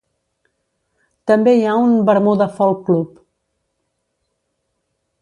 També hi ha un Bermuda Folk Club.